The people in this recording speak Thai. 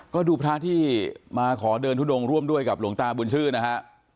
ก็ดูพระที่มาขอเดินทุดงร่วมด้วยกับหลวงตาบุญชื่นนะฮะ